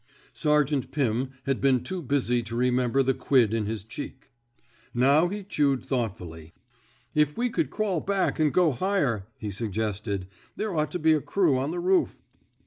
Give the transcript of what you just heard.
Sergeant Pim had been too busy to re member the quid in his cheek. Now he 18 THE BED INK SQUAD'' chewed thoughtfully. If we could crawl back an' go higher," he suggested, there ought to be a crew on the roof."